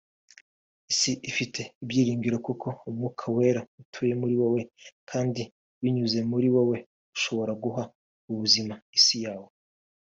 Isi ifite ibyiringiro kuko Umwuka Wera atuye muri wowe ; kandi binyuze muri wowe ashobora guha ubuzima isi yawe